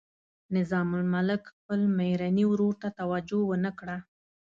نظام الملک خپل میرني ورور ته توجه ونه کړه.